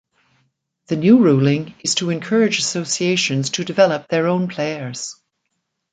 The new ruling is to encourage associations to develop their own players.